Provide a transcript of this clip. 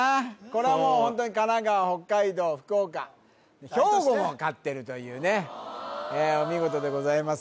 これはもうホントに神奈川北海道福岡兵庫も勝ってるというねお見事でございます